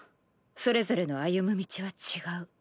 それぞれの歩む道は違う。